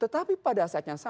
tetapi pada saatnya selesai